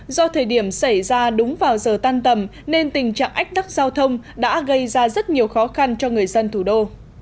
do thời điểm xảy ra đúng vào giờ tan tầm nên tình trạng ách tắc giao thông đã gây ra rất nhiều khó khăn cho người dân thủ đô